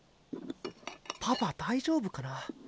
パパ大丈夫かな？